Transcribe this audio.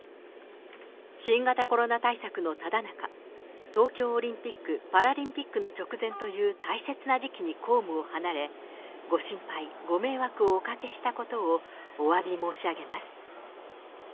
新型コロナ対策のただ中、東京オリンピック・パラリンピックの直前という大切な時期に公務を離れ、ご心配、ご迷惑をおかけしたことをおわび申し上げます。